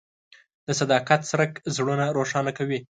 د صداقت څرک زړونه روښانه کوي.